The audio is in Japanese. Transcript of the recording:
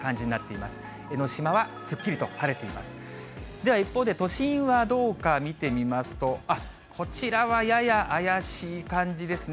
では一方で都心はどうか、見てみますと、こちらはやや怪しい感じですね。